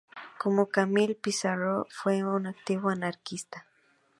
Como Camille Pissarro, fue un activo anarquista.